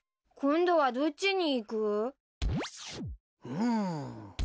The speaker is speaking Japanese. うん。